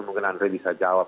mungkin andri bisa jawab